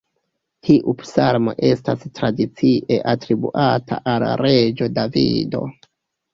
Tiu psalmo estas tradicie atribuata al reĝo Davido.